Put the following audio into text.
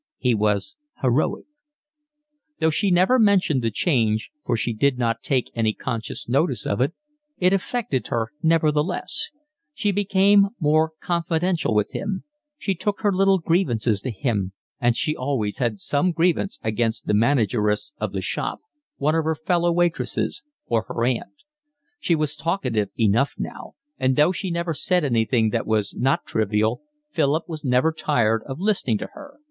He was heroic. Though she never mentioned the change, for she did not take any conscious notice of it, it affected her nevertheless: she became more confidential with him; she took her little grievances to him, and she always had some grievance against the manageress of the shop, one of her fellow waitresses, or her aunt; she was talkative enough now, and though she never said anything that was not trivial Philip was never tired of listening to her.